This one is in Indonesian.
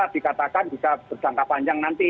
dikatakan bisa berjangka panjang nanti